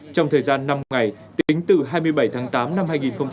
trong thời gian năm ngày tính từ hai mươi bảy tháng tám năm hai nghìn hai mươi một